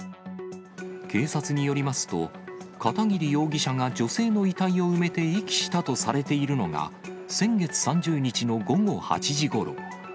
警察によりますと、片桐容疑者が女性の遺体を埋めて遺棄したとされているのが、先月３０日の午後８時ごろ。